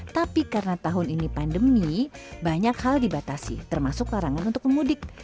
tapi karena tahun ini pandemi banyak hal dibatasi termasuk larangan untuk memudik